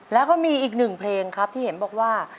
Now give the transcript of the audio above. แล้วก็มีอีกหนึ่งเพลงครับที่เห็นบอกว่า